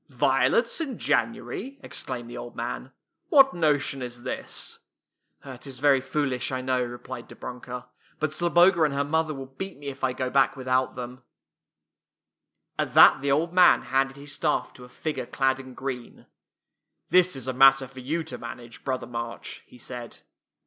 " Violets in January! " exclaimed the old man. " What notion is this? "" It is very foolish, I know," replied Dobrunka, " but Zloboga and her mother will beat me if I go back without them." [ 13 ] FAV QUITE FAIRY TALES RETOLD At that the old man handed his staff to a figui'e clad in green. " This is a matter for you to manage. Brother March," he said.